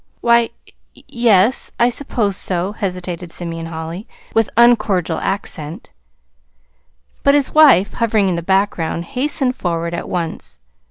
"Why, y yes, I suppose so," hesitated Simeon Holly, with uncordial accent. But his wife, hovering in the background, hastened forward at once.